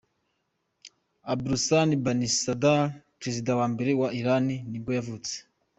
Abulhassan Banisadr, perezida wa mbere wa Iran nibwo yavutse.